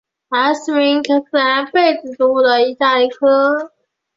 白刺科是无患子目之下一个被子植物的科。